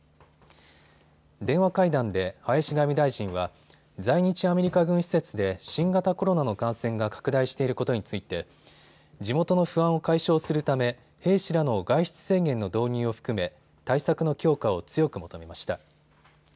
電話会談で林外務大臣は在日アメリカ軍施設で新型コロナの感染が拡大していることについて地元の不安を解消するため兵士らの外出制限の導入を含め対策の強化を強く求めました。